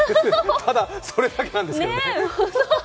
ただ、それだけなんですけどね。